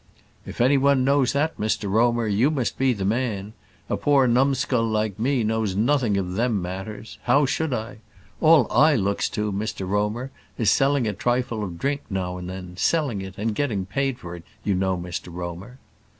"If any one knows that, Mr Romer, you must be the man. A poor numbskull like me knows nothing of them matters. How should I? All I looks to, Mr Romer, is selling a trifle of drink now and then selling it, and getting paid for it, you know, Mr Romer."